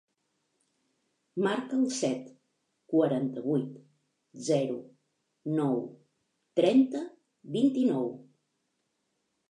Marca el set, quaranta-vuit, zero, nou, trenta, vint-i-nou.